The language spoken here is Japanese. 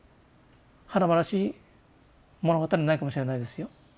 華々しい物語はないかもしれないですよ。